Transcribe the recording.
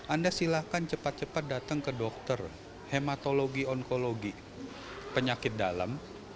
anda silakan cepat cepat datang ke dokter hematologi onkologi penyakit dalam